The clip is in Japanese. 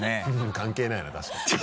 関係ないな確かに。